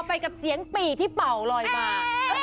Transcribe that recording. ไปกับเสียงปี่ที่เป่าลอยมา